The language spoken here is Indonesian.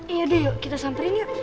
iya deh yuk kita samperin yuk